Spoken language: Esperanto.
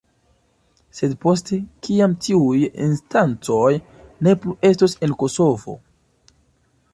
Sed poste, kiam tiuj instancoj ne plu estos en Kosovo?